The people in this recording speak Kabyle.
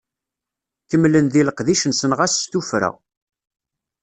Kemmlen di leqdic-nsen ɣas s tuffra.